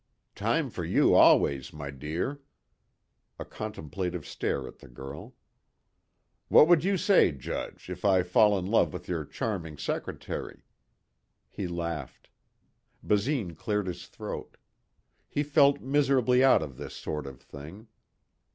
"Time for you always, my dear." A contemplative stare at the girl. "What would you say, Judge, if I fall in love with your charming secretary." He laughed. Basine cleared his throat. He felt miserably out of this sort of thing.